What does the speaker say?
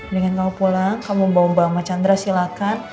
dengan kamu pulang kamu membawa bawa sama chandra silahkan